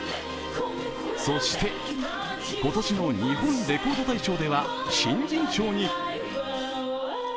そして、今年の「日本レコード大賞」では、新人賞に。